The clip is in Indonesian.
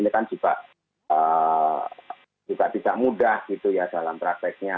ini kan juga tidak mudah gitu ya dalam prakteknya